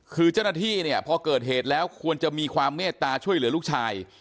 คือเจ้าหน้าที่เนี่ยพอเกิดเหตุแล้วควรจะมีความเมตตาช่วยเหลือลูกชาย